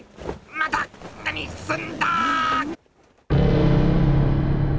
また何すんだ！